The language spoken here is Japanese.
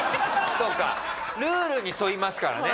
ルールに沿いますからね